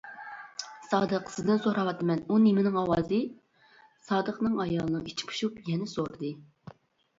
سادىق، سىزدىن سوراۋاتىمەن، ئۇ نېمىنىڭ ئاۋازى؟ سادىقنىڭ ئايالىنىڭ ئىچى پۇشۇپ يەنە سورىدى.